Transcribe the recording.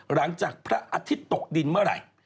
หลังจากพระอาทิตย์ตกดินเมื่อไหร่